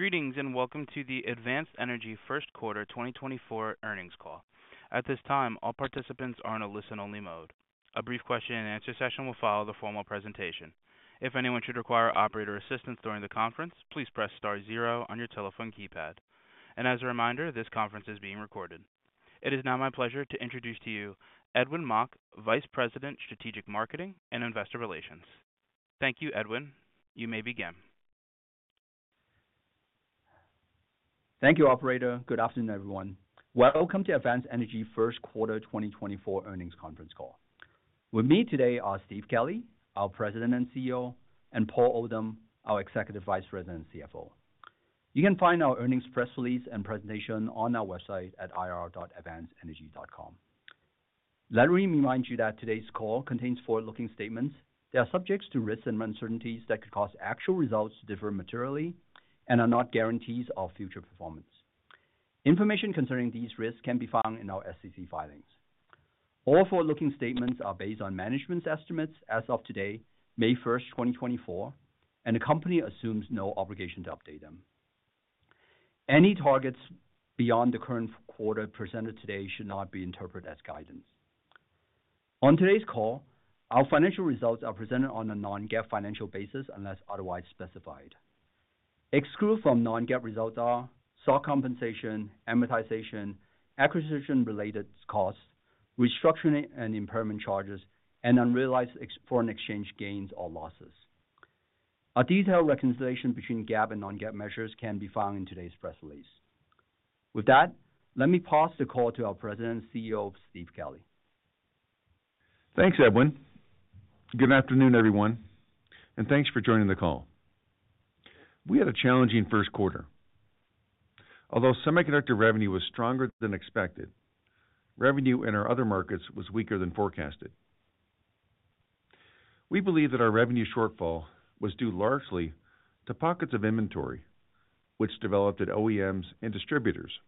Greetings and welcome to the Advanced Energy First Quarter 2024 earnings call. At this time, all participants are in a listen-only mode. A brief question-and-answer session will follow the formal presentation. If anyone should require operator assistance during the conference, please press star zero on your telephone keypad. As a reminder, this conference is being recorded. It is now my pleasure to introduce to you Edwin Mok, Vice President of Strategic Marketing and Investor Relations. Thank you, Edwin. You may begin. Thank you, operator. Good afternoon, everyone. Welcome to Advanced Energy First Quarter 2024 earnings conference call. With me today are Steve Kelley, our President and CEO, and Paul Oldham, our Executive Vice President and CFO. You can find our earnings press release and presentation on our website at ir.advancedenergy.com. Let me remind you that today's call contains forward-looking statements. They are subject to risks and uncertainties that could cause actual results to differ materially and are not guarantees of future performance. Information concerning these risks can be found in our SEC filings. All forward-looking statements are based on management's estimates as of today, May 1st, 2024, and the company assumes no obligation to update them. Any targets beyond the current quarter presented today should not be interpreted as guidance. On today's call, our financial results are presented on a non-GAAP financial basis unless otherwise specified. Excluded from non-GAAP results are: stock compensation, amortization, acquisition-related costs, restructuring and impairment charges, and unrealized foreign exchange gains or losses. A detailed reconciliation between GAAP and non-GAAP measures can be found in today's press release. With that, let me pass the call to our President and CEO, Steve Kelley. Thanks, Edwin. Good afternoon, everyone, and thanks for joining the call. We had a challenging first quarter. Although semiconductor revenue was stronger than expected, revenue in our other markets was weaker than forecasted. We believe that our revenue shortfall was due largely to pockets of inventory, which developed at OEMs and distributors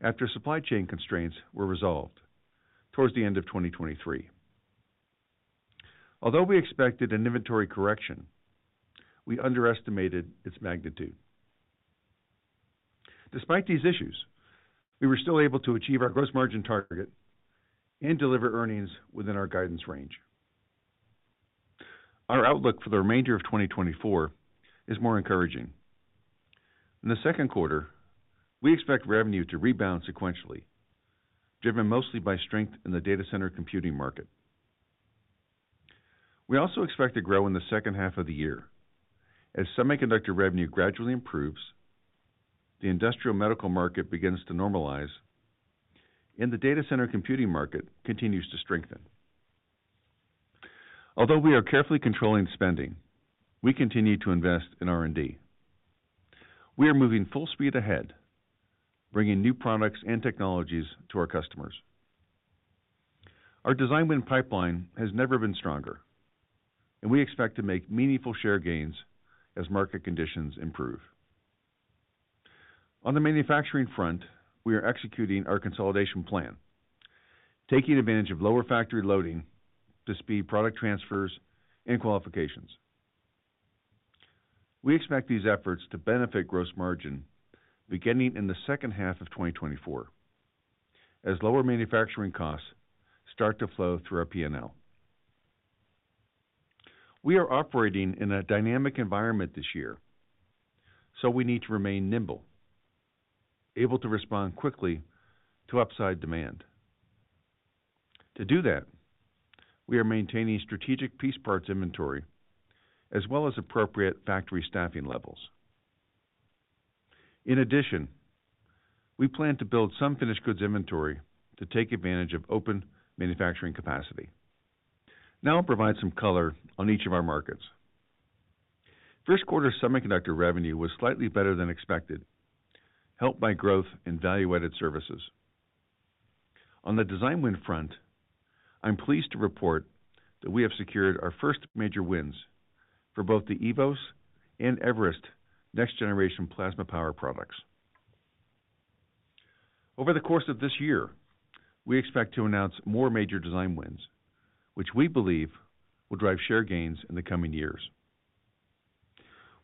after supply chain constraints were resolved towards the end of 2023. Although we expected an inventory correction, we underestimated its magnitude. Despite these issues, we were still able to achieve our gross margin target and deliver earnings within our guidance range. Our outlook for the remainder of 2024 is more encouraging. In the second quarter, we expect revenue to rebound sequentially, driven mostly by strength in the data center computing market. We also expect to grow in the second half of the year as semiconductor revenue gradually improves, the industrial medical market begins to normalize, and the data center computing market continues to strengthen. Although we are carefully controlling spending, we continue to invest in R&D. We are moving full speed ahead, bringing new products and technologies to our customers. Our design win pipeline has never been stronger, and we expect to make meaningful share gains as market conditions improve. On the manufacturing front, we are executing our consolidation plan, taking advantage of lower factory loading to speed product transfers and qualifications. We expect these efforts to benefit gross margin beginning in the second half of 2024 as lower manufacturing costs start to flow through our P&L. We are operating in a dynamic environment this year, so we need to remain nimble, able to respond quickly to upside demand. To do that, we are maintaining strategic piece parts inventory as well as appropriate factory staffing levels. In addition, we plan to build some finished goods inventory to take advantage of open manufacturing capacity. Now I'll provide some color on each of our markets. First quarter semiconductor revenue was slightly better than expected, helped by growth in value-added services. On the design win front, I'm pleased to report that we have secured our first major wins for both the eVoS and eVerest next-generation plasma power products. Over the course of this year, we expect to announce more major design wins, which we believe will drive share gains in the coming years.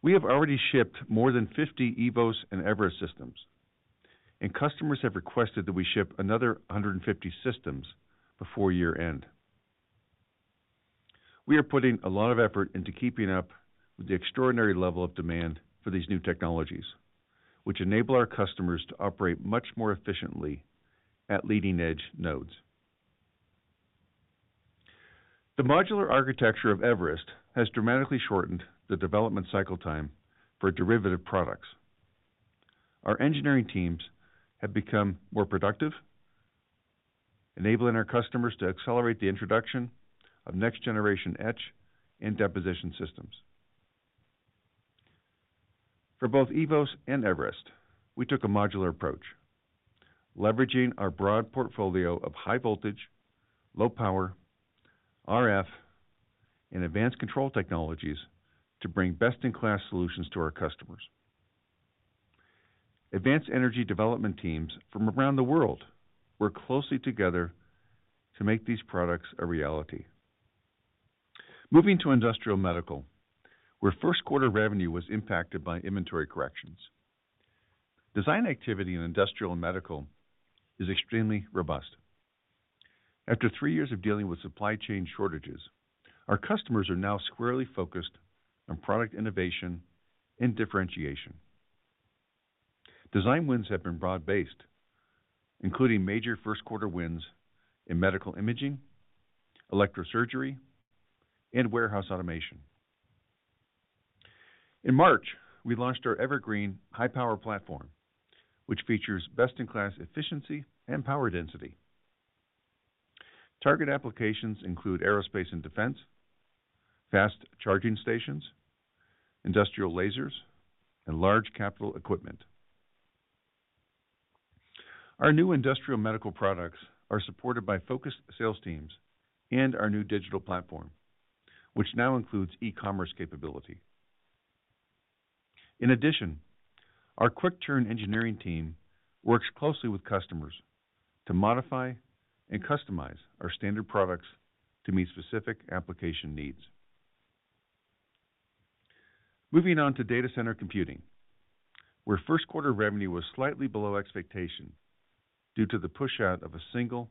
We have already shipped more than 50 eVoS and eVerest systems, and customers have requested that we ship another 150 systems before year-end. We are putting a lot of effort into keeping up with the extraordinary level of demand for these new technologies, which enable our customers to operate much more efficiently at leading-edge nodes. The modular architecture of eVerest has dramatically shortened the development cycle time for derivative products. Our engineering teams have become more productive, enabling our customers to accelerate the introduction of next-generation etch and deposition systems. For both eVoS and eVerest, we took a modular approach, leveraging our broad portfolio of high-voltage, low-power, RF, and advanced control technologies to bring best-in-class solutions to our customers. Advanced Energy development teams from around the world work closely together to make these products a reality. Moving to industrial and medical, where first quarter revenue was impacted by inventory corrections. Design activity in industrial and medical is extremely robust. After three years of dealing with supply chain shortages, our customers are now squarely focused on product innovation and differentiation. Design wins have been broad-based, including major first-quarter wins in medical imaging, electrosurgery, and warehouse automation. In March, we launched our Evergreen high-power platform, which features best-in-class efficiency and power density. Target applications include aerospace and defense, fast charging stations, industrial lasers, and large-capital equipment. Our new industrial medical products are supported by focused sales teams and our new digital platform, which now includes e-commerce capability. In addition, our quick-turn engineering team works closely with customers to modify and customize our standard products to meet specific application needs. Moving on to data center computing, where first quarter revenue was slightly below expectation due to the push-out of a single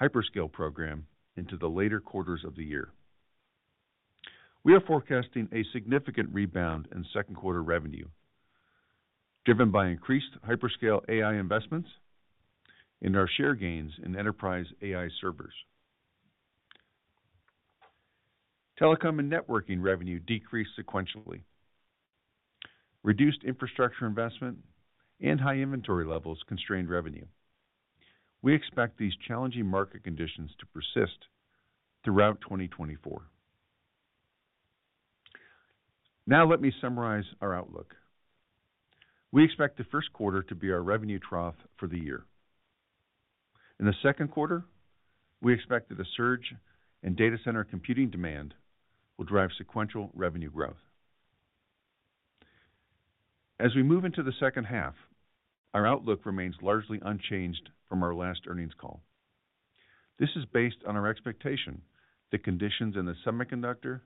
hyperscale program into the later quarters of the year. We are forecasting a significant rebound in second quarter revenue, driven by increased hyperscale AI investments and our share gains in enterprise AI servers. Telecom and networking revenue decreased sequentially. Reduced infrastructure investment and high inventory levels constrained revenue. We expect these challenging market conditions to persist throughout 2024. Now let me summarize our outlook. We expect the first quarter to be our revenue trough for the year. In the second quarter, we expect that a surge in data center computing demand will drive sequential revenue growth. As we move into the second half, our outlook remains largely unchanged from our last earnings call. This is based on our expectation that conditions in the semiconductor,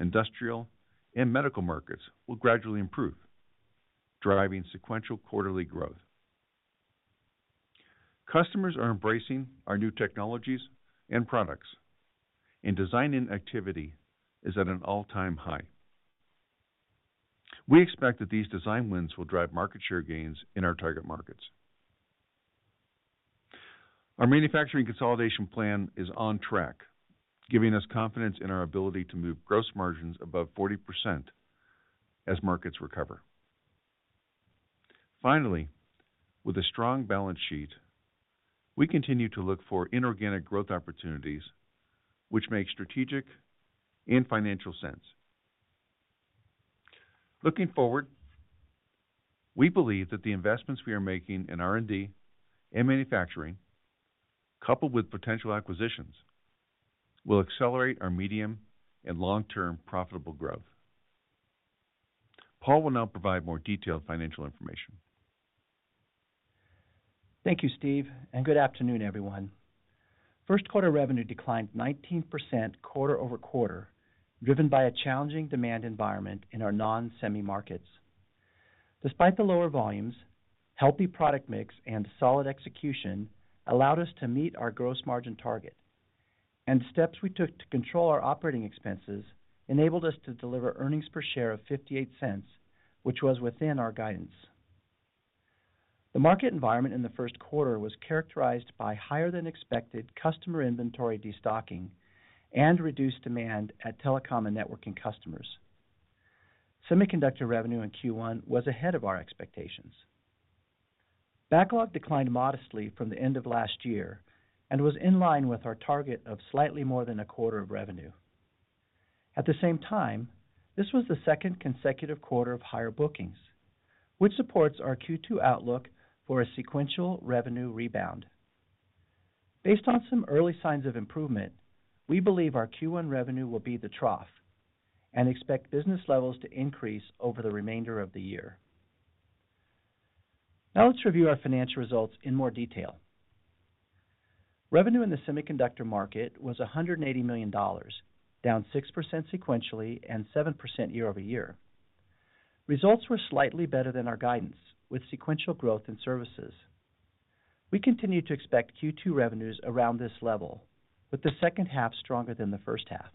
industrial, and medical markets will gradually improve, driving sequential quarterly growth. Customers are embracing our new technologies and products, and design-in activity is at an all-time high. We expect that these design wins will drive market share gains in our target markets. Our manufacturing consolidation plan is on track, giving us confidence in our ability to move gross margins above 40% as markets recover. Finally, with a strong balance sheet, we continue to look for inorganic growth opportunities, which make strategic and financial sense. Looking forward, we believe that the investments we are making in R&D and manufacturing, coupled with potential acquisitions, will accelerate our medium and long-term profitable growth. Paul will now provide more detailed financial information. Thank you, Steve, and good afternoon, everyone. First quarter revenue declined 19% quarter-over-quarter, driven by a challenging demand environment in our non-semi markets. Despite the lower volumes, healthy product mix and solid execution allowed us to meet our gross margin target, and the steps we took to control our operating expenses enabled us to deliver earnings per share of $0.58, which was within our guidance. The market environment in the first quarter was characterized by higher-than-expected customer inventory destocking and reduced demand at telecom and networking customers. Semiconductor revenue in Q1 was ahead of our expectations. Backlog declined modestly from the end of last year and was in line with our target of slightly more than a quarter of revenue. At the same time, this was the second consecutive quarter of higher bookings, which supports our Q2 outlook for a sequential revenue rebound. Based on some early signs of improvement, we believe our Q1 revenue will be the trough and expect business levels to increase over the remainder of the year. Now let's review our financial results in more detail. Revenue in the semiconductor market was $180 million, down 6% sequentially and 7% year-over-year. Results were slightly better than our guidance, with sequential growth in services. We continue to expect Q2 revenues around this level, with the second half stronger than the first half.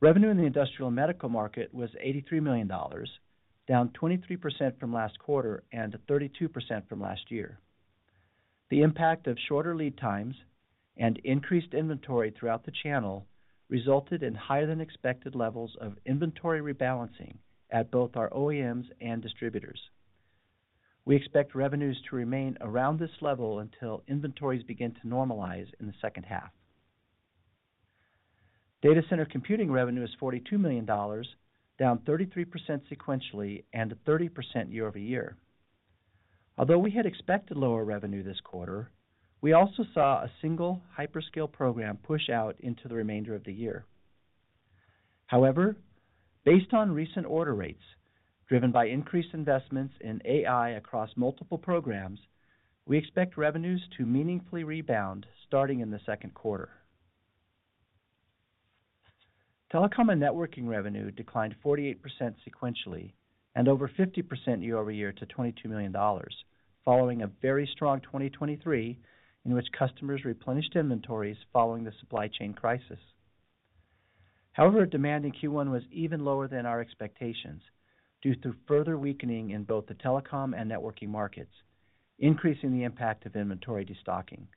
Revenue in the industrial and medical market was $83 million, down 23% from last quarter and 32% from last year. The impact of shorter lead times and increased inventory throughout the channel resulted in higher-than-expected levels of inventory rebalancing at both our OEMs and distributors. We expect revenues to remain around this level until inventories begin to normalize in the second half. Data center computing revenue is $42 million, down 33% sequentially and 30% year-over-year. Although we had expected lower revenue this quarter, we also saw a single hyperscale program push out into the remainder of the year. However, based on recent order rates, driven by increased investments in AI across multiple programs, we expect revenues to meaningfully rebound starting in the second quarter. Telecom and networking revenue declined 48% sequentially and over 50% year-over-year to $22 million, following a very strong 2023 in which customers replenished inventories following the supply chain crisis. However, demand in Q1 was even lower than our expectations due to further weakening in both the telecom and networking markets, increasing the impact of inventory destocking.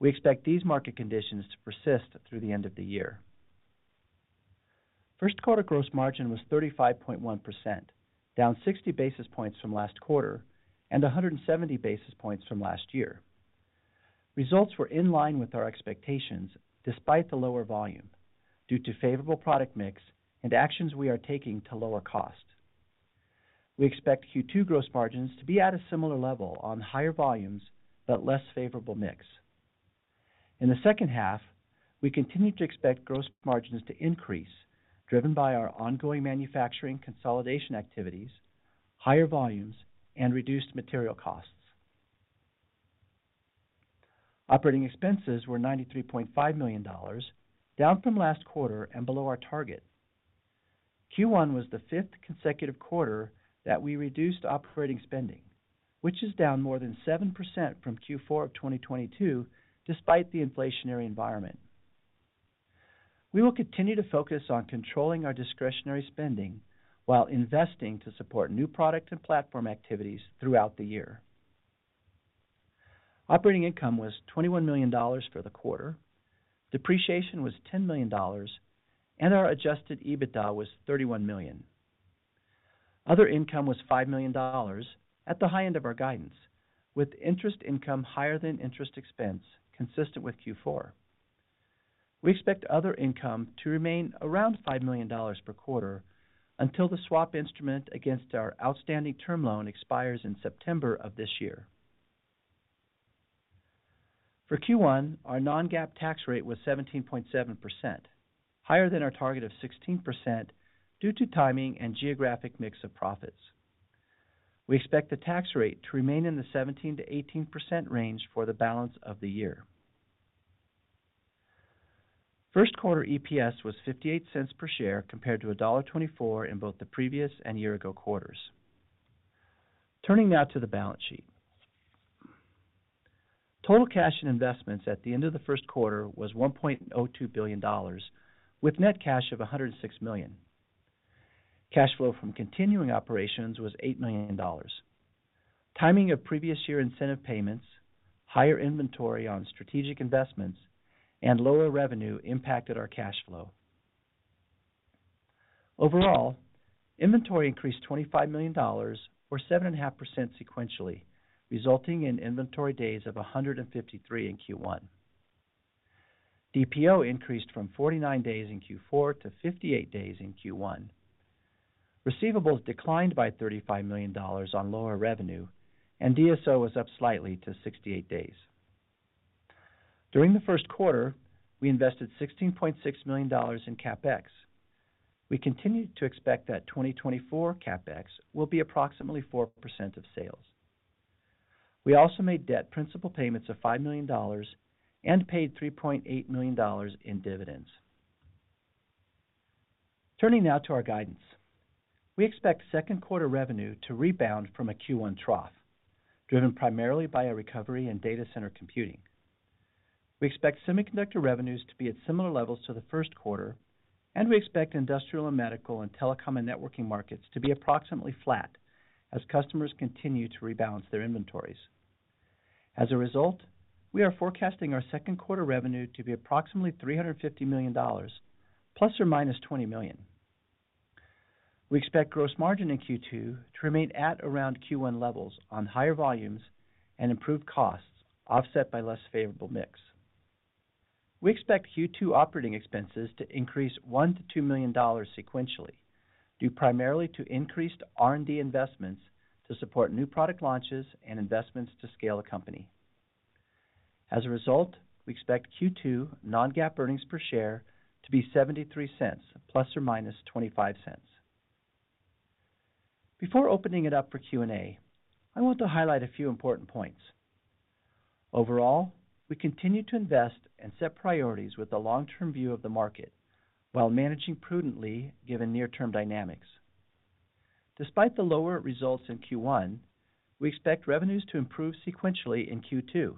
We expect these market conditions to persist through the end of the year. First quarter gross margin was 35.1%, down 60 basis points from last quarter and 170 basis points from last year. Results were in line with our expectations despite the lower volume, due to favorable product mix and actions we are taking to lower cost. We expect Q2 gross margins to be at a similar level on higher volumes but less favorable mix. In the second half, we continue to expect gross margins to increase, driven by our ongoing manufacturing consolidation activities, higher volumes, and reduced material costs. Operating expenses were $93.5 million, down from last quarter and below our target. Q1 was the fifth consecutive quarter that we reduced operating spending, which is down more than 7% from Q4 of 2022 despite the inflationary environment. We will continue to focus on controlling our discretionary spending while investing to support new product and platform activities throughout the year. Operating income was $21 million for the quarter, depreciation was $10 million, and our adjusted EBITDA was $31 million. Other income was $5 million at the high end of our guidance, with interest income higher than interest expense, consistent with Q4. We expect other income to remain around $5 million per quarter until the swap instrument against our outstanding term loan expires in September of this year. For Q1, our non-GAAP tax rate was 17.7%, higher than our target of 16% due to timing and geographic mix of profits. We expect the tax rate to remain in the 17%-18% range for the balance of the year. First quarter EPS was $0.58 per share compared to $1.24 in both the previous and year-ago quarters. Turning now to the balance sheet. Total cash and investments at the end of the first quarter was $1.02 billion, with net cash of $106 million. Cash flow from continuing operations was $8 million. Timing of previous year incentive payments, higher inventory on strategic investments, and lower revenue impacted our cash flow. Overall, inventory increased $25 million, or 7.5% sequentially, resulting in inventory days of 153 in Q1. DPO increased from 49 days in Q4 to 58 days in Q1. Receivables declined by $35 million on lower revenue, and DSO was up slightly to 68 days. During the first quarter, we invested $16.6 million in CapEx. We continue to expect that 2024 CapEx will be approximately 4% of sales. We also made debt principal payments of $5 million and paid $3.8 million in dividends. Turning now to our guidance. We expect second quarter revenue to rebound from a Q1 trough, driven primarily by our recovery and data center computing. We expect semiconductor revenues to be at similar levels to the first quarter, and we expect industrial and medical and telecom and networking markets to be approximately flat as customers continue to rebalance their inventories. As a result, we are forecasting our second quarter revenue to be approximately $350 million ± $20 million. We expect gross margin in Q2 to remain at or around Q1 levels on higher volumes and improved costs offset by less favorable mix. We expect Q2 operating expenses to increase $1 million-$2 million sequentially, due primarily to increased R&D investments to support new product launches and investments to scale a company. As a result, we expect Q2 non-GAAP earnings per share to be $0.73 ± $0.25. Before opening it up for Q&A, I want to highlight a few important points. Overall, we continue to invest and set priorities with a long-term view of the market while managing prudently given near-term dynamics. Despite the lower results in Q1, we expect revenues to improve sequentially in Q2.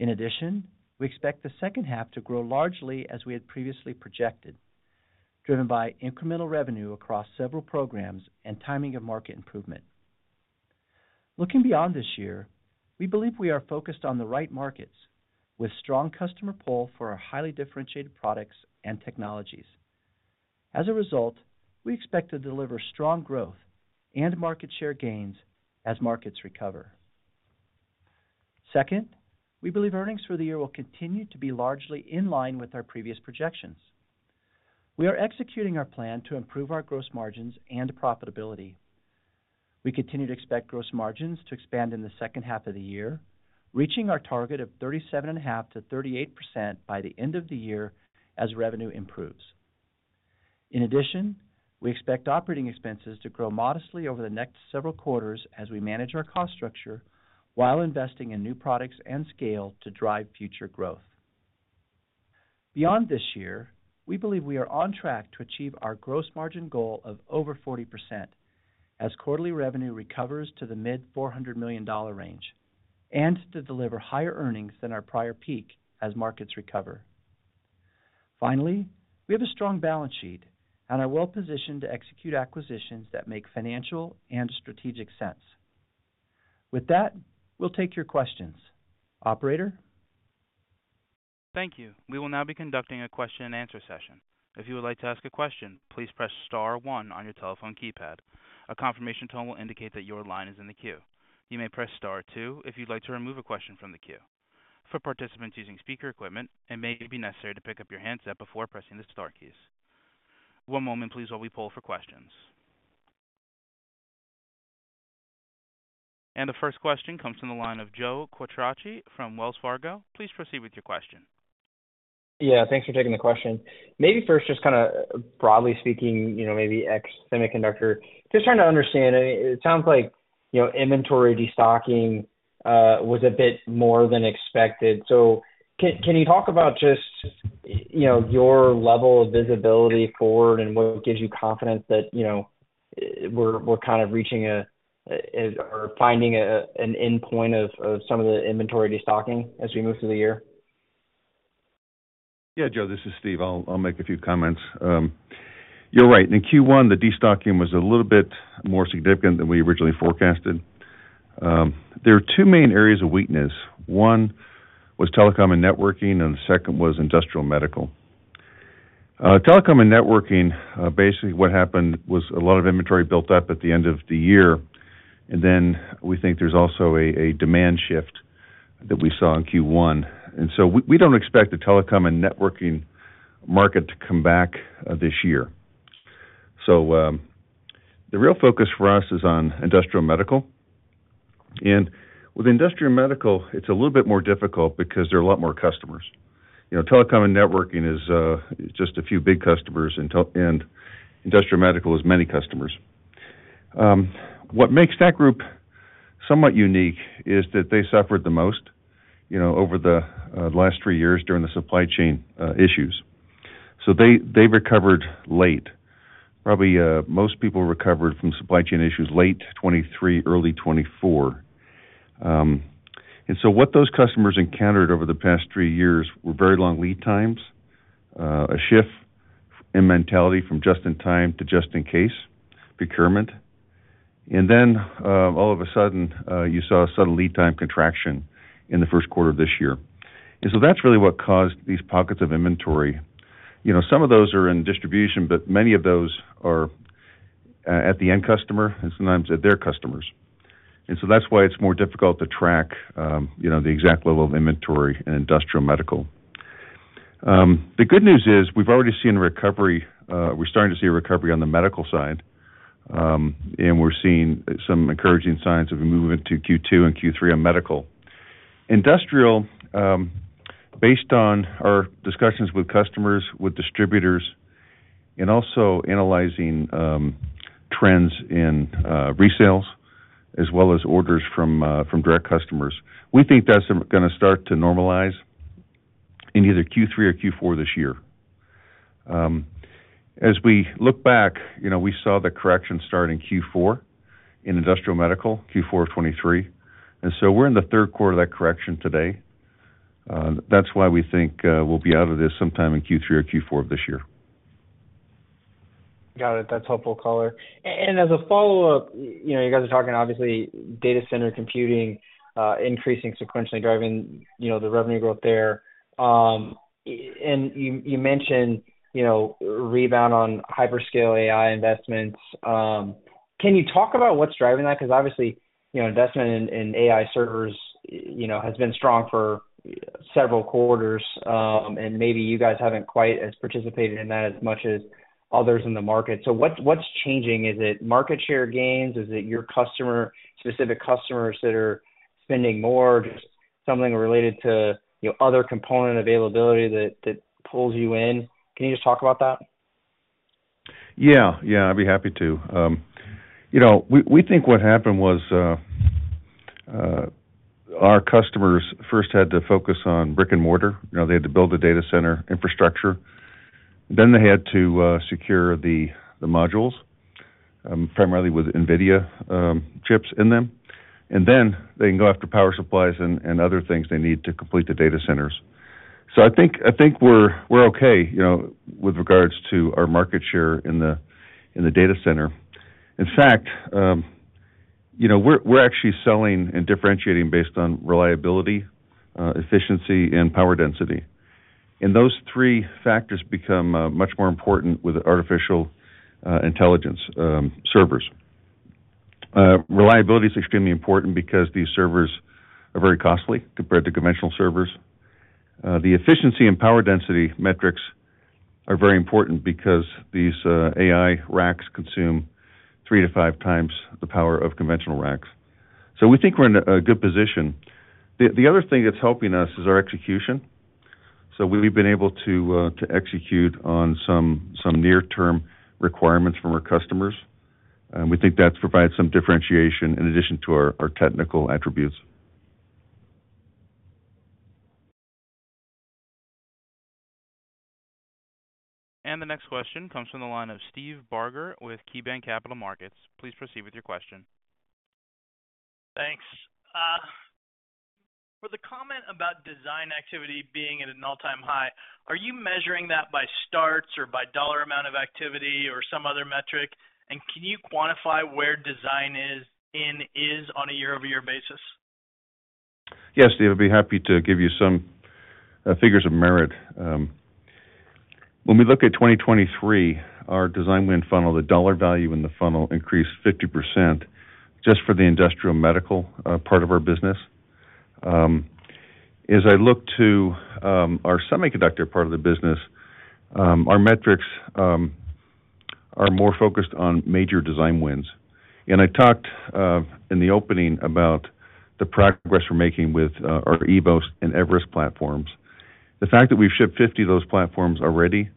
In addition, we expect the second half to grow largely as we had previously projected, driven by incremental revenue across several programs and timing of market improvement. Looking beyond this year, we believe we are focused on the right markets, with strong customer pull for our highly differentiated products and technologies. As a result, we expect to deliver strong growth and market share gains as markets recover. Second, we believe earnings for the year will continue to be largely in line with our previous projections. We are executing our plan to improve our gross margins and profitability. We continue to expect gross margins to expand in the second half of the year, reaching our target of 37.5%-38% by the end of the year as revenue improves. In addition, we expect operating expenses to grow modestly over the next several quarters as we manage our cost structure while investing in new products and scale to drive future growth. Beyond this year, we believe we are on track to achieve our gross margin goal of over 40% as quarterly revenue recovers to the mid-$400 million range and to deliver higher earnings than our prior peak as markets recover. Finally, we have a strong balance sheet and are well-positioned to execute acquisitions that make financial and strategic sense. With that, we'll take your questions. Operator? Thank you. We will now be conducting a question-and-answer session. If you would like to ask a question, please press star one on your telephone keypad. A confirmation tone will indicate that your line is in the queue. You may press star two if you'd like to remove a question from the queue. For participants using speaker equipment, it may be necessary to pick up your handset before pressing the star keys. One moment, please, while we pull for questions. The first question comes from the line of Joe Quatrochi from Wells Fargo. Please proceed with your question. Yeah. Thanks for taking the question. Maybe first, just kind of broadly speaking, maybe ex-semiconductor, just trying to understand, it sounds like inventory destocking was a bit more than expected. So can you talk about just your level of visibility forward and what gives you confidence that we're kind of reaching or finding an endpoint of some of the inventory destocking as we move through the year? Yeah, Joe. This is Steve. I'll make a few comments. You're right. In Q1, the destocking was a little bit more significant than we originally forecasted. There were two main areas of weakness. One was telecom and networking, and the second was industrial and medical. Telecom and networking, basically, what happened was a lot of inventory built up at the end of the year, and then we think there's also a demand shift that we saw in Q1. And so we don't expect the telecom and networking market to come back this year. So the real focus for us is on industrial and medical. And with industrial and medical, it's a little bit more difficult because there are a lot more customers. Telecom and networking is just a few big customers, and industrial and medical has many customers. What makes that group somewhat unique is that they suffered the most over the last three years during the supply chain issues. So they recovered late. Probably most people recovered from supply chain issues late 2023, early 2024. And so what those customers encountered over the past three years were very long lead times, a shift in mentality from just-in-time to just-in-case procurement. And then all of a sudden, you saw a sudden lead time contraction in the first quarter of this year. And so that's really what caused these pockets of inventory. Some of those are in distribution, but many of those are at the end customer and sometimes at their customers. And so that's why it's more difficult to track the exact level of inventory in industrial and medical. The good news is we've already seen recovery. We're starting to see recovery on the medical side, and we're seeing some encouraging signs of a move into Q2 and Q3 on medical. Industrial, based on our discussions with customers, with distributors, and also analyzing trends in resales as well as orders from direct customers, we think that's going to start to normalize in either Q3 or Q4 this year. As we look back, we saw the correction start in Q4 in industrial and medical, Q4 of 2023. And so we're in the third quarter of that correction today. That's why we think we'll be out of this sometime in Q3 or Q4 of this year. Got it. That's helpful color. And as a follow-up, you guys are talking, obviously, data center computing increasing sequentially, driving the revenue growth there. And you mentioned rebound on hyperscale AI investments. Can you talk about what's driving that? Because obviously, investment in AI servers has been strong for several quarters, and maybe you guys haven't quite as participated in that as much as others in the market. So what's changing? Is it market share gains? Is it your specific customers that are spending more? Just something related to other component availability that pulls you in? Can you just talk about that? Yeah. Yeah. I'd be happy to. We think what happened was our customers first had to focus on brick and mortar. They had to build the data center infrastructure. Then they had to secure the modules, primarily with NVIDIA chips in them. And then they can go after power supplies and other things they need to complete the data centers. So I think we're okay with regards to our market share in the data center. In fact, we're actually selling and differentiating based on reliability, efficiency, and power density. And those three factors become much more important with artificial intelligence servers. Reliability is extremely important because these servers are very costly compared to conventional servers. The efficiency and power density metrics are very important because these AI racks consume three to five times the power of conventional racks. So we think we're in a good position. The other thing that's helping us is our execution. So we've been able to execute on some near-term requirements from our customers. And we think that's provided some differentiation in addition to our technical attributes. The next question comes from the line of Steve Barger with KeyBanc Capital Markets. Please proceed with your question. Thanks. For the comment about design activity being at an all-time high, are you measuring that by starts or by dollar amount of activity or some other metric? Can you quantify where design is on a year-over-year basis? Yes, Steve. I'd be happy to give you some figures of merit. When we look at 2023, our design win funnel, the dollar value in the funnel, increased 50% just for the industrial and medical part of our business. As I look to our semiconductor part of the business, our metrics are more focused on major design wins. And I talked in the opening about the progress we're making with our eVoS and eVerest platforms. The fact that we've shipped 50 of those platforms already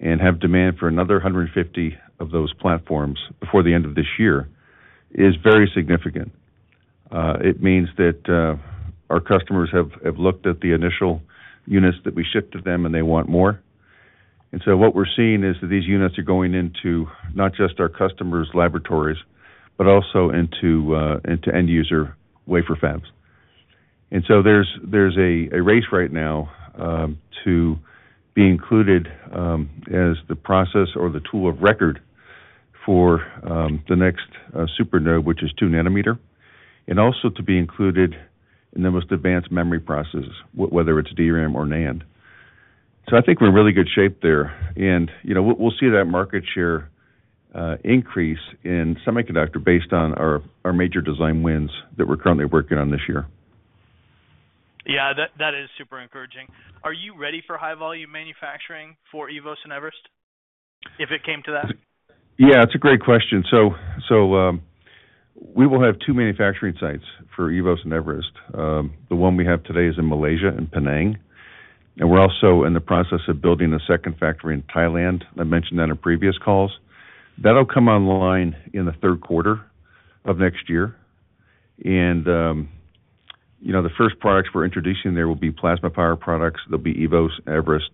and have demand for another 150 of those platforms before the end of this year is very significant. It means that our customers have looked at the initial units that we shipped to them, and they want more. And so what we're seeing is that these units are going into not just our customers' laboratories but also into end-user wafer fabs. And so there's a race right now to be included as the process or the tool of record for the next supernode, which is 2 nanometer, and also to be included in the most advanced memory processes, whether it's DRAM or NAND. So I think we're in really good shape there. And we'll see that market share increase in semiconductor based on our major design wins that we're currently working on this year. Yeah. That is super encouraging. Are you ready for high-volume manufacturing for eVoS and eVerest if it came to that? Yeah. It's a great question. So we will have two manufacturing sites for eVoS and eVerest. The one we have today is in Malaysia and Penang. And we're also in the process of building a second factory in Thailand. I mentioned that in previous calls. That'll come online in the third quarter of next year. And the first products we're introducing there will be plasma power products. There'll be eVoS, eVerest,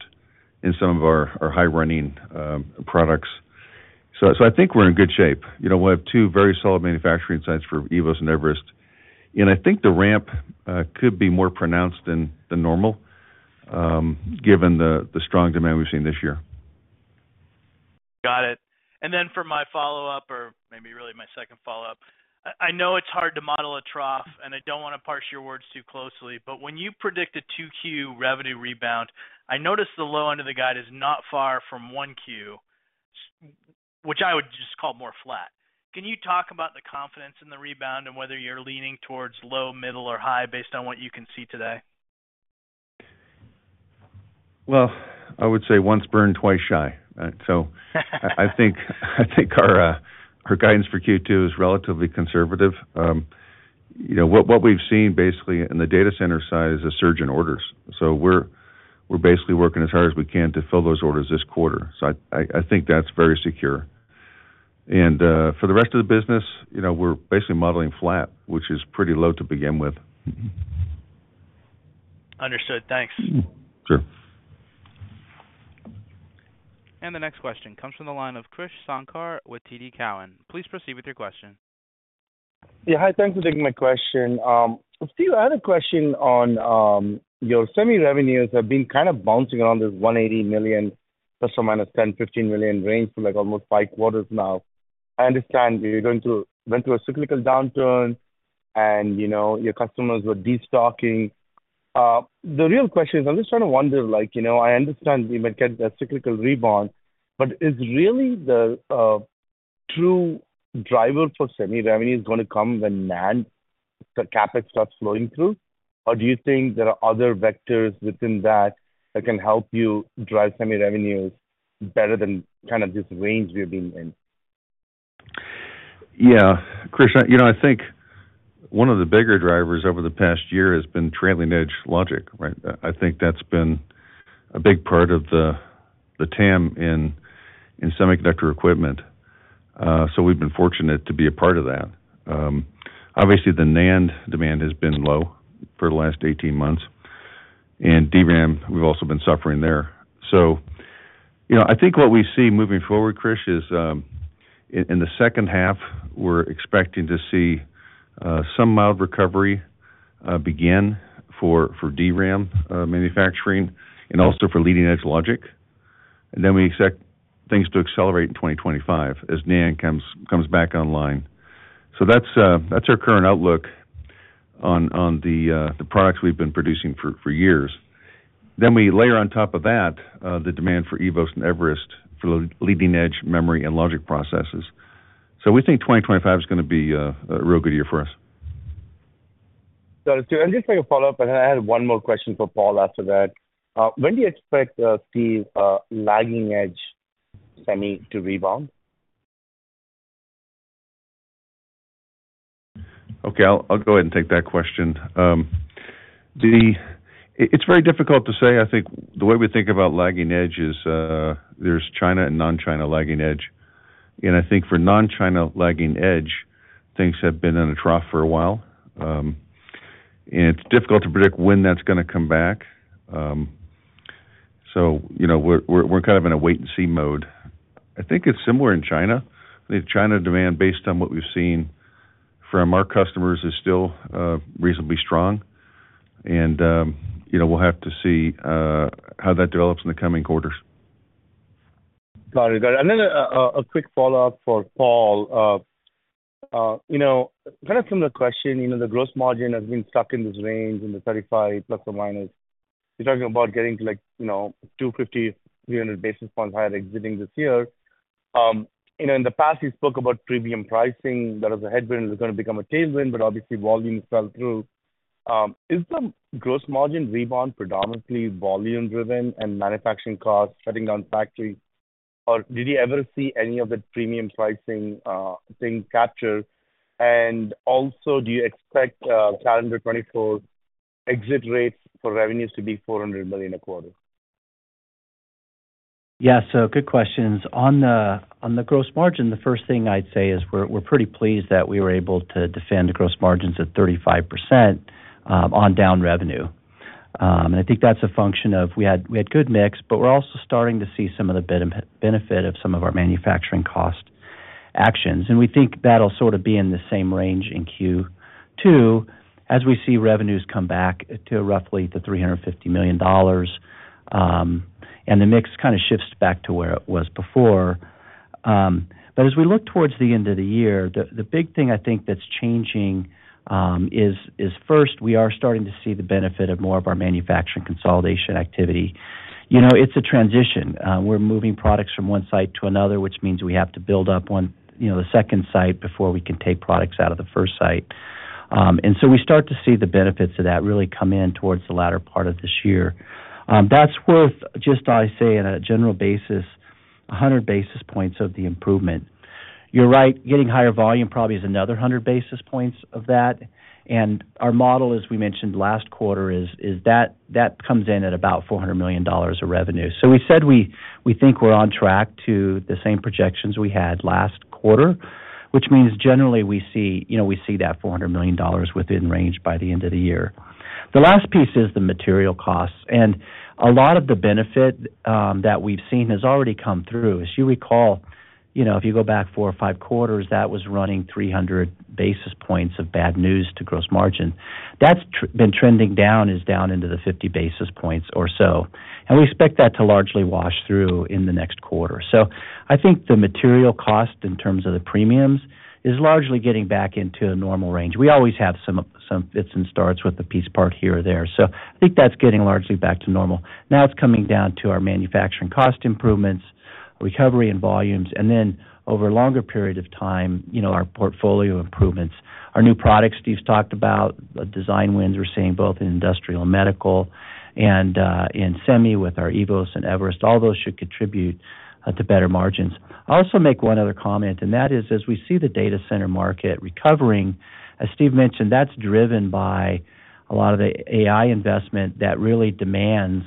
and some of our high-running products. So I think we're in good shape. We'll have two very solid manufacturing sites for eVoS and eVerest. And I think the ramp could be more pronounced than normal given the strong demand we've seen this year. Got it. And then for my follow-up or maybe really my second follow-up, I know it's hard to model a trough, and I don't want to parse your words too closely. But when you predict a 2Q revenue rebound, I noticed the low end of the guide is not far from 1Q, which I would just call more flat. Can you talk about the confidence in the rebound and whether you're leaning towards low, middle, or high based on what you can see today? Well, I would say once burned, twice shy. I think our guidance for Q2 is relatively conservative. What we've seen, basically, in the data center side is a surge in orders. We're basically working as hard as we can to fill those orders this quarter. I think that's very secure. For the rest of the business, we're basically modeling flat, which is pretty low to begin with. Understood. Thanks. Sure. The next question comes from the line of Krish Sankar with TD Cowen. Please proceed with your question. Yeah. Hi. Thanks for taking my question. Steve, I had a question on your semi-revenues have been kind of bouncing around this $180 million ± $10 million-$15 million range for almost five quarters now. I understand you went through a cyclical downturn, and your customers were destocking. The real question is I'm just trying to wonder. I understand you might get a cyclical rebound, but is really the true driver for semi-revenues going to come when NAND, the CapEx, starts flowing through? Or do you think there are other vectors within that that can help you drive semi-revenues better than kind of this range we have been in? Yeah. Krish, I think one of the bigger drivers over the past year has been trailing-edge logic, right? I think that's been a big part of the TAM in semiconductor equipment. So we've been fortunate to be a part of that. Obviously, the NAND demand has been low for the last 18 months, and DRAM, we've also been suffering there. So I think what we see moving forward, Krish, is in the second half, we're expecting to see some mild recovery begin for DRAM manufacturing and also for leading-edge logic. And then we expect things to accelerate in 2025 as NAND comes back online. So that's our current outlook on the products we've been producing for years. Then we layer on top of that the demand for eVoS and eVerest for leading-edge memory and logic processes. So we think 2025 is going to be a real good year for us. Got it, Steve. And just like a follow-up, and then I had one more question for Paul after that. When do you expect, Steve, lagging-edge semi to rebound? Okay. I'll go ahead and take that question. It's very difficult to say. I think the way we think about lagging edge is there's China and non-China lagging edge. And I think for non-China lagging edge, things have been in a trough for a while. And it's difficult to predict when that's going to come back. So we're kind of in a wait-and-see mode. I think it's similar in China. I think China demand, based on what we've seen from our customers, is still reasonably strong. And we'll have to see how that develops in the coming quarters. Got it. Got it. And then a quick follow-up for Paul, kind of similar question. The gross margin has been stuck in this range in the ±35%. You're talking about getting to 250-300 basis points higher exiting this year. In the past, you spoke about premium pricing. That was a headwind. It was going to become a tailwind, but obviously, volume fell through. Is the gross margin rebound predominantly volume-driven and manufacturing costs shutting down factories, or did you ever see any of the premium pricing thing captured? And also, do you expect calendar 2024 exit rates for revenues to be $400 million a quarter? Yeah. So good questions. On the gross margin, the first thing I'd say is we're pretty pleased that we were able to defend gross margins at 35% on down revenue. And I think that's a function of we had good mix, but we're also starting to see some of the benefit of some of our manufacturing cost actions. And we think that'll sort of be in the same range in Q2 as we see revenues come back to roughly the $350 million. And the mix kind of shifts back to where it was before. But as we look towards the end of the year, the big thing I think that's changing is, first, we are starting to see the benefit of more of our manufacturing consolidation activity. It's a transition. We're moving products from one site to another, which means we have to build up the second site before we can take products out of the first site. And so we start to see the benefits of that really come in towards the latter part of this year. That's worth, just I say, on a general basis, 100 basis points of the improvement. You're right. Getting higher volume probably is another 100 basis points of that. And our model, as we mentioned last quarter, is that comes in at about $400 million of revenue. So we said we think we're on track to the same projections we had last quarter, which means generally, we see that $400 million within range by the end of the year. The last piece is the material costs. And a lot of the benefit that we've seen has already come through. As you recall, if you go back four or five quarters, that was running 300 basis points of bad news to gross margin. That's been trending down, is down into the 50 basis points or so. And we expect that to largely wash through in the next quarter. So I think the material cost in terms of the premiums is largely getting back into a normal range. We always have some fits and starts with a piece part here or there. So I think that's getting largely back to normal. Now it's coming down to our manufacturing cost improvements, recovery in volumes, and then over a longer period of time, our portfolio improvements. Our new products, Steve's talked about, the design wins we're seeing both in industrial and medical and in semi with our eVoS and eVerest, all those should contribute to better margins. I'll also make one other comment, and that is as we see the data center market recovering, as Steve mentioned, that's driven by a lot of the AI investment that really demands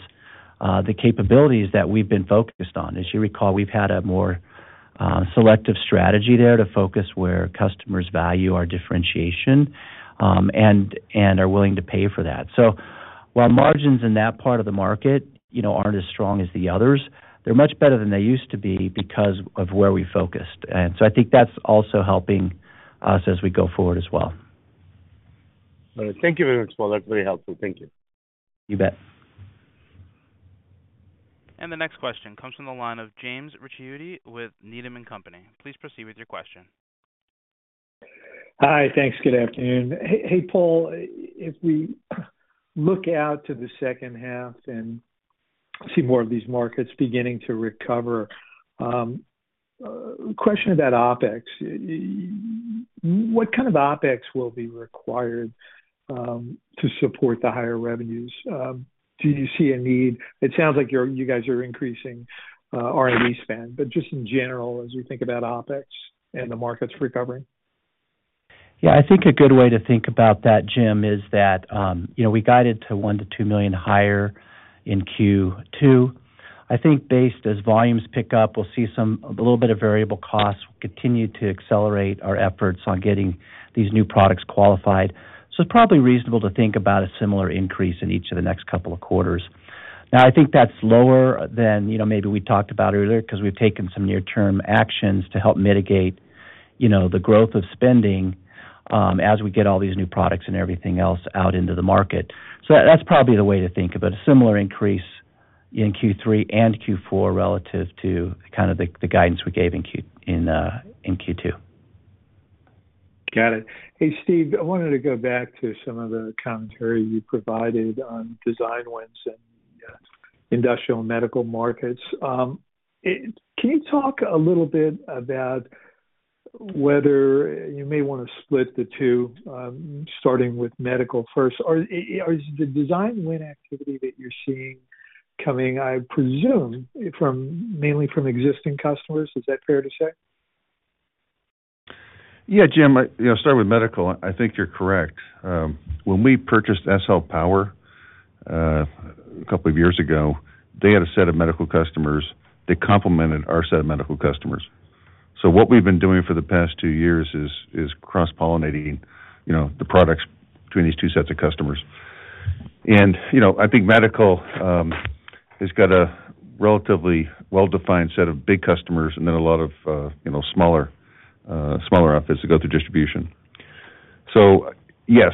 the capabilities that we've been focused on. As you recall, we've had a more selective strategy there to focus where customers value our differentiation and are willing to pay for that. So while margins in that part of the market aren't as strong as the others, they're much better than they used to be because of where we focused. And so I think that's also helping us as we go forward as well. All right. Thank you very much, Paul. That's very helpful. Thank you. You bet. The next question comes from the line of James Ricchiuti with Needham & Company. Please proceed with your question. Hi. Thanks. Good afternoon. Hey, Paul. If we look out to the second half and see more of these markets beginning to recover, question about OpEx. What kind of OpEx will be required to support the higher revenues? Do you see a need? It sounds like you guys are increasing R&D spend, but just in general, as we think about OpEx and the market's recovering. Yeah. I think a good way to think about that, Jim, is that we guided to $1 million-$2 million higher in Q2. I think based as volumes pick up, we'll see a little bit of variable costs continue to accelerate our efforts on getting these new products qualified. So it's probably reasonable to think about a similar increase in each of the next couple of quarters. Now, I think that's lower than maybe we talked about earlier because we've taken some near-term actions to help mitigate the growth of spending as we get all these new products and everything else out into the market. So that's probably the way to think about a similar increase in Q3 and Q4 relative to kind of the guidance we gave in Q2. Got it. Hey, Steve, I wanted to go back to some of the commentary you provided on design wins in industrial and medical markets. Can you talk a little bit about whether you may want to split the two, starting with medical first? Or is the design win activity that you're seeing coming, I presume, mainly from existing customers? Is that fair to say? Yeah, Jim. I'll start with medical. I think you're correct. When we purchased SL Power a couple of years ago, they had a set of medical customers. They complemented our set of medical customers. So what we've been doing for the past two years is cross-pollinating the products between these two sets of customers. And I think medical has got a relatively well-defined set of big customers and then a lot of smaller outfits that go through distribution. So yes,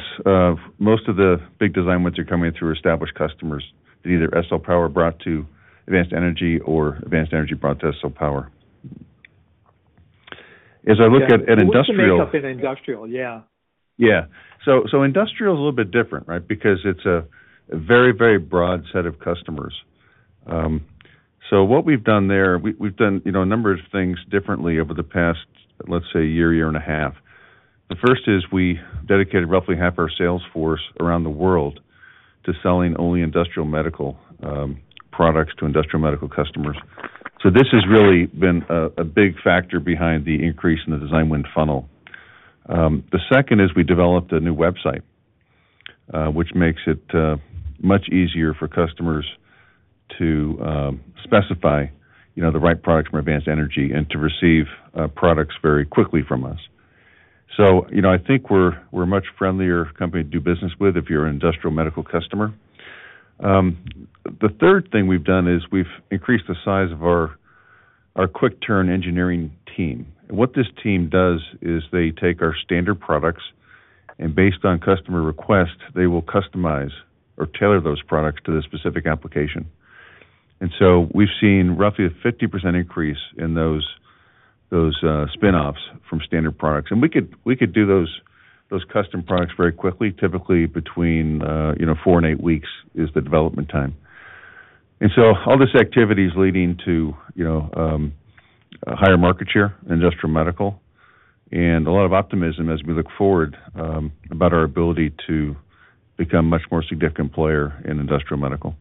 most of the big design wins are coming through established customers that either SL Power brought to Advanced Energy or Advanced Energy brought to SL Power. As I look at industrial. We'll finish up in industrial. Yeah. Yeah. So industrial is a little bit different, right, because it's a very, very broad set of customers. So what we've done there, we've done a number of things differently over the past, let's say, year, year and a half. The first is we dedicated roughly half our sales force around the world to selling only industrial medical products to industrial medical customers. So this has really been a big factor behind the increase in the design win funnel. The second is we developed a new website, which makes it much easier for customers to specify the right products from Advanced Energy and to receive products very quickly from us. So I think we're a much friendlier company to do business with if you're an industrial medical customer. The third thing we've done is we've increased the size of our quick-turn engineering team. What this team does is they take our standard products, and based on customer request, they will customize or tailor those products to the specific application. So we've seen roughly a 50% increase in those spinoffs from standard products. We could do those custom products very quickly. Typically, between four and eight weeks is the development time. So all this activity is leading to higher market share in industrial medical and a lot of optimism as we look forward about our ability to become a much more significant player in industrial medical.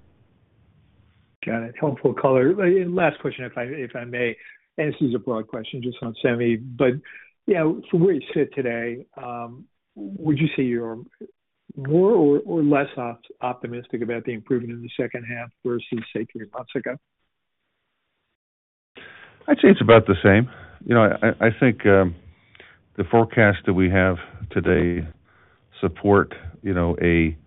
Got it. Helpful color. Last question, if I may. This is a broad question just on semi. From where you sit today, would you say you're more or less optimistic about the improvement in the second half versus, say, three months ago? I'd say it's about the same. I think the forecasts that we have today support a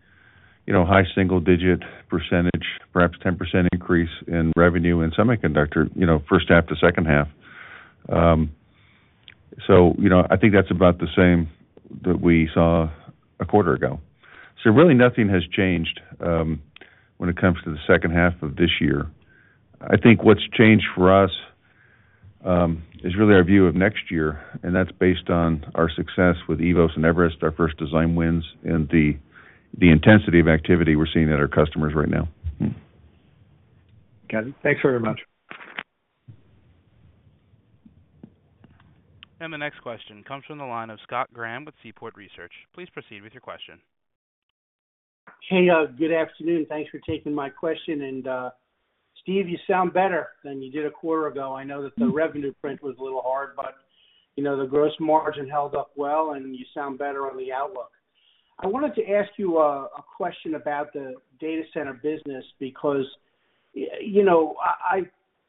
high single-digit percentage, perhaps 10% increase in revenue in semiconductor first half to second half. So I think that's about the same that we saw a quarter ago. So really, nothing has changed when it comes to the second half of this year. I think what's changed for us is really our view of next year. And that's based on our success with eVoS and eVerest, our first design wins, and the intensity of activity we're seeing at our customers right now. Got it. Thanks very much. The next question comes from the line of Scott Graham with Seaport Research. Please proceed with your question. Hey, good afternoon. Thanks for taking my question. Steve, you sound better than you did a quarter ago. I know that the revenue print was a little hard, but the gross margin held up well, and you sound better on the outlook. I wanted to ask you a question about the data center business because I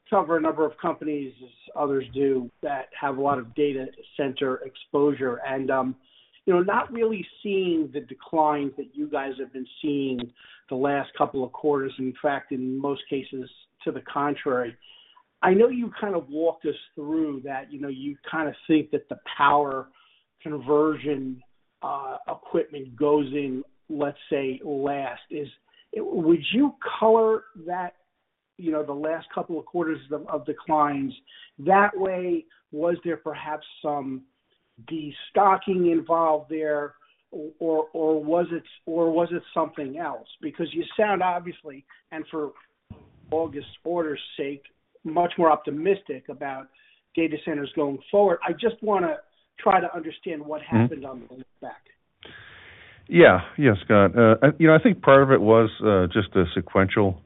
cover a number of companies, as others do, that have a lot of data center exposure and not really seeing the declines that you guys have been seeing the last couple of quarters. In fact, in most cases, to the contrary. I know you kind of walked us through that. You kind of think that the power conversion equipment goes in, let's say, last. Would you color the last couple of quarters of declines that way? Was there perhaps some destocking involved there, or was it something else? Because you sound, obviously, and for argument's sake, much more optimistic about data centers going forward. I just want to try to understand what happened on the look-back. Yeah. Yeah, Scott. I think part of it was just a sequential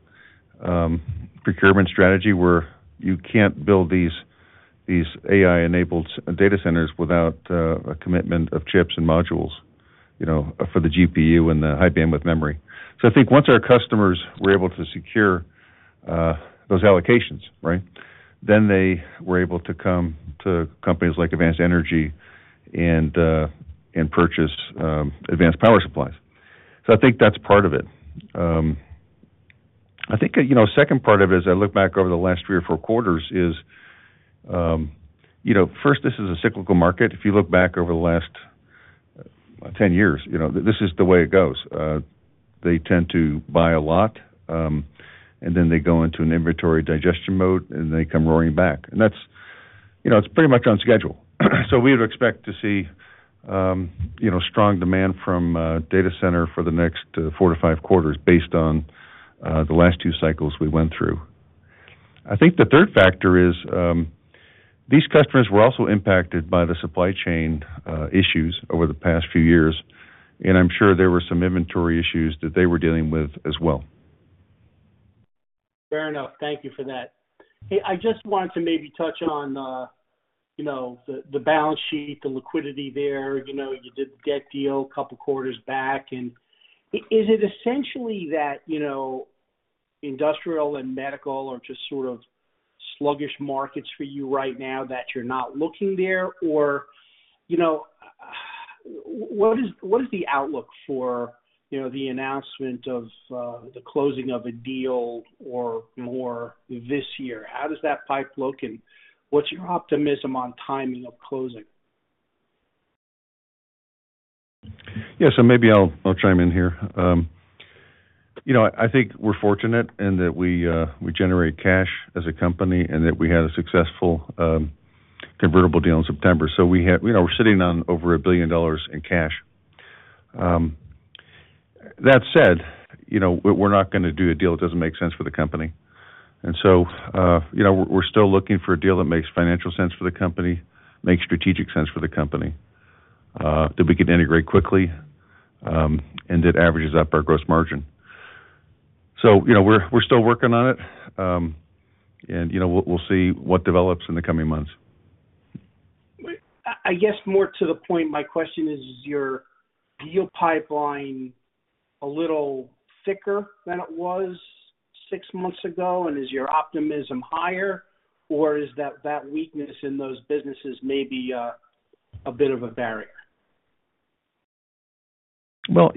procurement strategy where you can't build these AI-enabled data centers without a commitment of chips and modules for the GPU and the high-bandwidth memory. So I think once our customers were able to secure those allocations, right, then they were able to come to companies like Advanced Energy and purchase Advanced Energy power supplies. So I think that's part of it. I think a second part of it, as I look back over the last three or four quarters, is first, this is a cyclical market. If you look back over the last 10 years, this is the way it goes. They tend to buy a lot, and then they go into an inventory digestion mode, and they come roaring back. And it's pretty much on schedule. We would expect to see strong demand from data center for the next four-five quarters based on the last two cycles we went through. I think the third factor is these customers were also impacted by the supply chain issues over the past few years. I'm sure there were some inventory issues that they were dealing with as well. Fair enough. Thank you for that. Hey, I just wanted to maybe touch on the balance sheet, the liquidity there. You did the debt deal a couple of quarters back. Is it essentially that industrial and medical are just sort of sluggish markets for you right now that you're not looking there? Or what is the outlook for the announcement of the closing of a deal or more this year? How does that pipe look? And what's your optimism on timing of closing? Yeah. So maybe I'll chime in here. I think we're fortunate in that we generate cash as a company and that we had a successful convertible deal in September. So we're sitting on over $1 billion in cash. That said, we're not going to do a deal that doesn't make sense for the company. And so we're still looking for a deal that makes financial sense for the company, makes strategic sense for the company, that we can integrate quickly, and that averages up our gross margin. So we're still working on it, and we'll see what develops in the coming months. I guess more to the point, my question is, is your deal pipeline a little thicker than it was six months ago? And is your optimism higher? Or is that weakness in those businesses maybe a bit of a barrier? Well,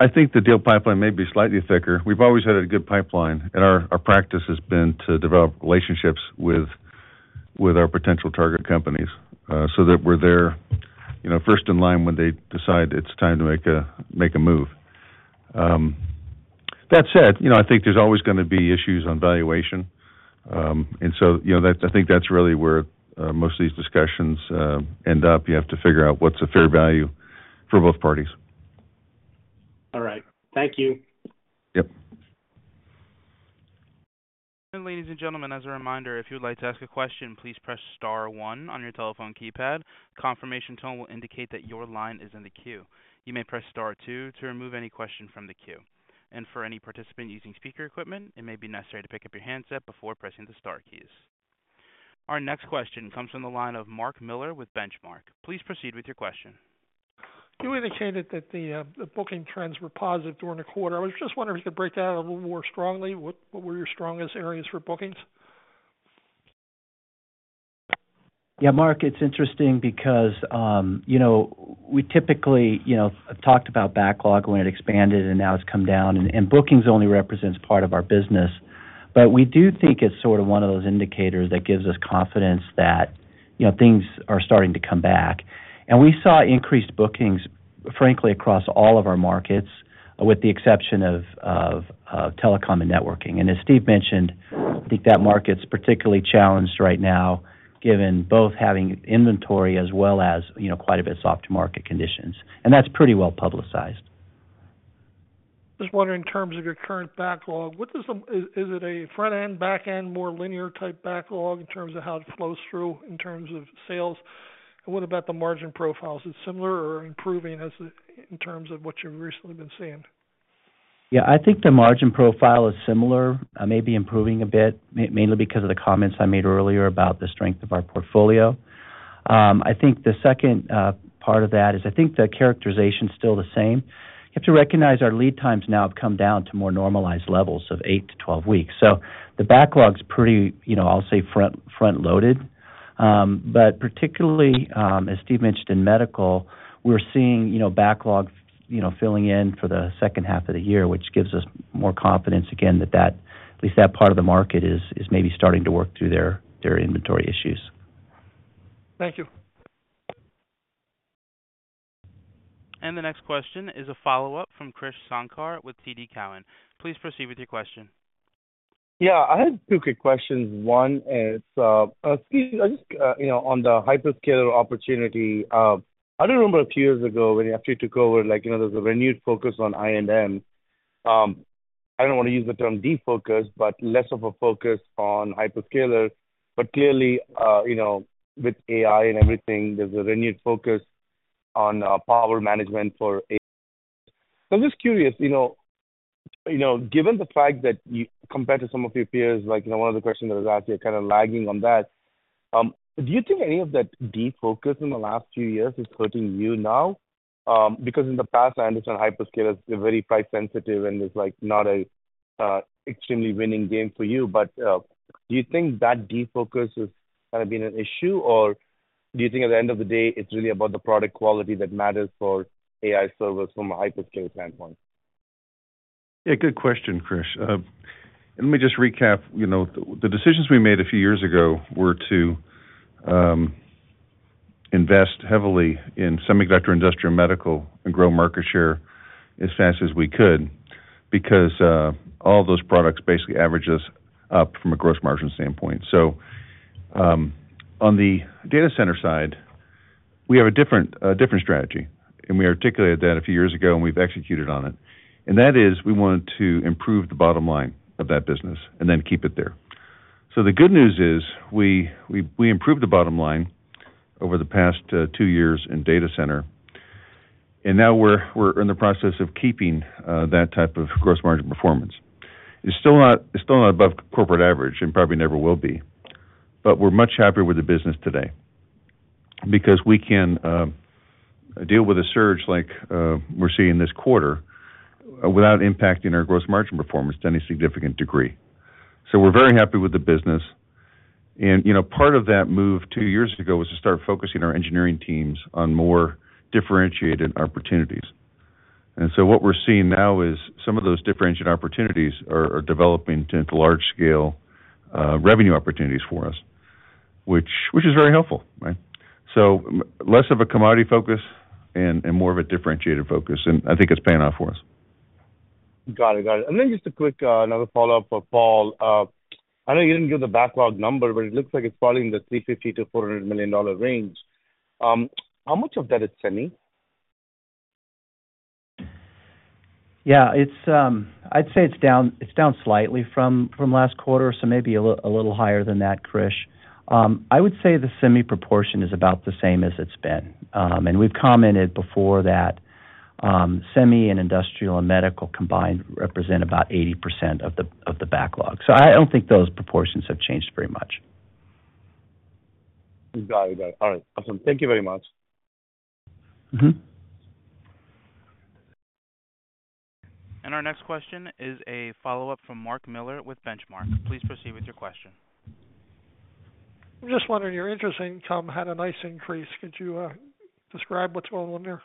I think the deal pipeline may be slightly thicker. We've always had a good pipeline, and our practice has been to develop relationships with our potential target companies so that we're there first in line when they decide it's time to make a move. That said, I think there's always going to be issues on valuation. And so I think that's really where most of these discussions end up. You have to figure out what's a fair value for both parties. All right. Thank you. Yep. Ladies and gentlemen, as a reminder, if you would like to ask a question, please press star one on your telephone keypad. Confirmation tone will indicate that your line is in the queue. You may press star two to remove any question from the queue. For any participant using speaker equipment, it may be necessary to pick up your handset before pressing the star keys. Our next question comes from the line of Mark Miller with Benchmark. Please proceed with your question. You indicated that the booking trends were positive during the quarter. I was just wondering if you could break that out a little more strongly. What were your strongest areas for bookings? Yeah, Mark, it's interesting because we typically have talked about backlog when it expanded, and now it's come down. And bookings only represents part of our business. But we do think it's sort of one of those indicators that gives us confidence that things are starting to come back. And we saw increased bookings, frankly, across all of our markets with the exception of telecom and networking. And as Steve mentioned, I think that market's particularly challenged right now given both having inventory as well as quite a bit of soft-to-market conditions. And that's pretty well publicized. Just wondering, in terms of your current backlog, is it a front-end, back-end, more linear-type backlog in terms of how it flows through in terms of sales? What about the margin profiles? Is it similar or improving in terms of what you've recently been seeing? Yeah, I think the margin profile is similar, maybe improving a bit, mainly because of the comments I made earlier about the strength of our portfolio. I think the second part of that is I think the characterization is still the same. You have to recognize our lead times now have come down to more normalized levels of 8-12 weeks. So the backlog is pretty, I'll say, front-loaded. But particularly, as Steve mentioned, in medical, we're seeing backlog filling in for the second half of the year, which gives us more confidence, again, that at least that part of the market is maybe starting to work through their inventory issues. Thank you. The next question is a follow-up from Krish Sankar with TD Cowen. Please proceed with your question. Yeah. I had two quick questions. One, it's, excuse me, just on the hyperscaler opportunity. I remember a few years ago when you actually took over, there was a renewed focus on I&M. I don't want to use the term defocus, but less of a focus on hyperscaler. But clearly, with AI and everything, there's a renewed focus on power management for. So I'm just curious, given the fact that compared to some of your peers, one of the questions that was asked, you're kind of lagging on that, do you think any of that defocus in the last few years is hurting you now? Because in the past, I understand hyperscalers are very price-sensitive and it's not an extremely winning game for you. But do you think that defocus has kind of been an issue? Or do you think at the end of the day, it's really about the product quality that matters for AI servers from a hyperscale standpoint? Yeah, good question, Krish. Let me just recap. The decisions we made a few years ago were to invest heavily in semiconductor, industrial, and medical and grow market share as fast as we could because all those products basically average us up from a gross margin standpoint. So on the data center side, we have a different strategy. We articulated that a few years ago, and we've executed on it. That is we wanted to improve the bottom line of that business and then keep it there. So the good news is we improved the bottom line over the past two years in data center. Now we're in the process of keeping that type of gross margin performance. It's still not above corporate average and probably never will be. But we're much happier with the business today because we can deal with a surge like we're seeing this quarter without impacting our gross margin performance to any significant degree. So we're very happy with the business. And part of that move two years ago was to start focusing our engineering teams on more differentiated opportunities. And so what we're seeing now is some of those differentiated opportunities are developing into large-scale revenue opportunities for us, which is very helpful, right? So less of a commodity focus and more of a differentiated focus. And I think it's paying off for us. Got it. Got it. Just a quick another follow-up for Paul. I know you didn't give the backlog number, but it looks like it's probably in the $350 million-$400 million range. How much of that is semi? Yeah, I'd say it's down slightly from last quarter, so maybe a little higher than that, Krish. I would say the semi proportion is about the same as it's been. And we've commented before that semi and industrial and medical combined represent about 80% of the backlog. So I don't think those proportions have changed very much. Got it. Got it. All right. Awesome. Thank you very much. Our next question is a follow-up from Mark Miller with Benchmark. Please proceed with your question. I'm just wondering, your interest income had a nice increase. Could you describe what's going on there?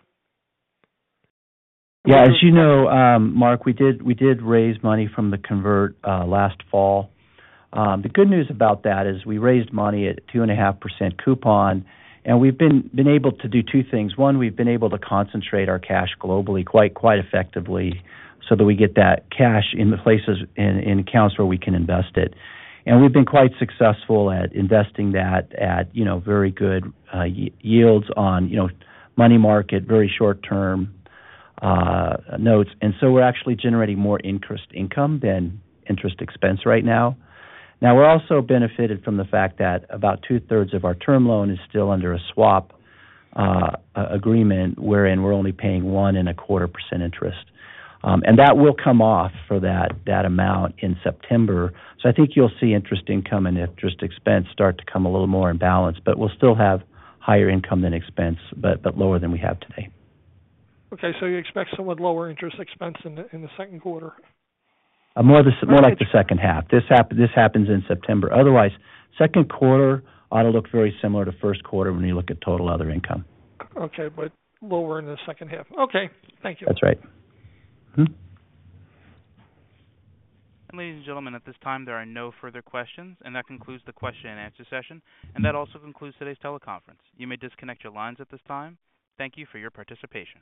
Yeah. As you know, Mark, we did raise money from the convertible last fall. The good news about that is we raised money at a 2.5% coupon. And we've been able to do two things. One, we've been able to concentrate our cash globally quite effectively so that we get that cash in accounts where we can invest it. And we've been quite successful at investing that at very good yields on money market, very short-term notes. And so we're actually generating more interest income than interest expense right now. Now, we're also benefited from the fact that about two-thirds of our term loan is still under a swap agreement wherein we're only paying 1.25% interest. And that will come off for that amount in September. So I think you'll see interest income and interest expense start to come a little more in balance. But we'll still have higher income than expense but lower than we have today. Okay. So you expect somewhat lower interest expense in the second quarter? More like the second half. This happens in September. Otherwise, second quarter ought to look very similar to first quarter when you look at total other income. Okay. But lower in the second half. Okay. Thank you. That's right. Ladies and gentlemen, at this time, there are no further questions. That concludes the question-and-answer session. That also concludes today's teleconference. You may disconnect your lines at this time. Thank you for your participation.